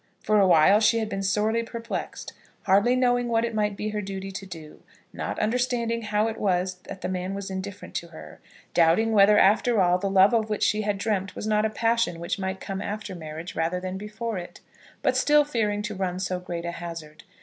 For a while she had been sorely perplexed, hardly knowing what it might be her duty to do, not understanding how it was that the man was indifferent to her, doubting whether, after all, the love of which she had dreamt was not a passion which might come after marriage, rather than before it, but still fearing to run so great a hazard.